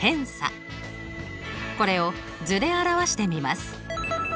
これを図で表してみます。